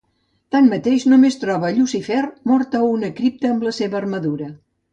Tanmateix, només troba a Llucifer, mort a una cripta amb la seva armadura.